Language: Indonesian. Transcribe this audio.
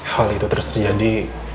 hal itu terus terjadi